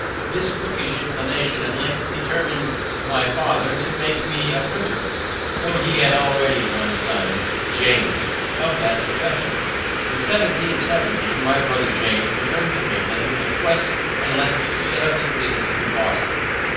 This bookish inclination at length determined my father to make me a printer, though he had already one son (James) of that profession. In 1717 my brother James returned from England with a press and letters to set up his business in Boston.